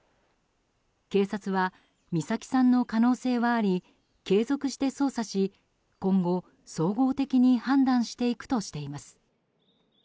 警察は美咲さんの可能性はあり継続して捜査し今後、総合的に判断していくとしています。